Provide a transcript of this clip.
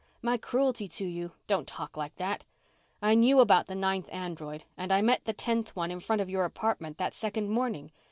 My cruelty to you " "Don't talk like that! I knew about the ninth android, and I met the tenth one in front of your apartment that second morning.